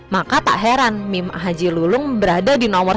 maka tak heran mim haji lulung berada di nomor satu